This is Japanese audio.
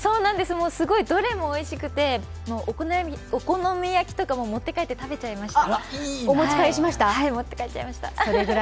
すごいどれもおいしくてお好み焼きとかも持って帰って食べちゃいました。